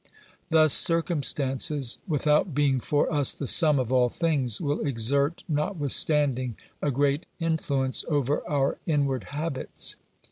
Thus circumstances, without being for us the sum of all things, will exert notwithstanding a great influence over our inward habits.